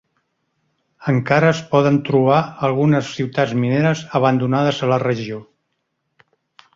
Encara es poden trobar algunes ciutats mineres abandonades a la regió.